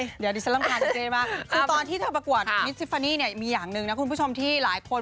เดี๋ยวดิฉันรำคาญเจ๊มากคือตอนที่เธอประกวดมิดชิฟานี่เนี่ยมีอย่างหนึ่งนะคุณผู้ชมที่หลายคน